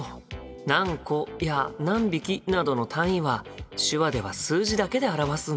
何個や何匹などの単位は手話では数字だけで表すんだ。